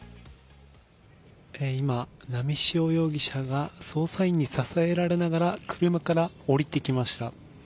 今、波汐容疑者が捜査員に支えられながら車から降りてきました。